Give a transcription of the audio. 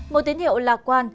một tín hiệu là